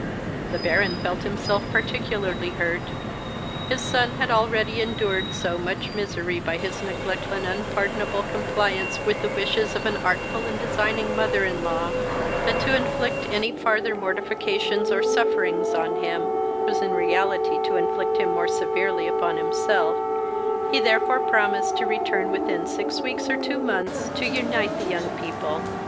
The Baron felt himself particularly hurt: his son had already endured so much misery by his neglect and unpardonable compliance with the wishes of an artful and designing mother in law, that, to inflict any farther mortifications or sufferings on him, was in reality to inflict them more severely upon himself: he therefore promised to return within six weeks, or two months, to unite the young people.